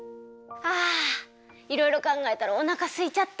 あいろいろかんがえたらおなかすいちゃた。